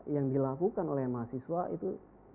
yang dilakukan oleh mahasiswa itu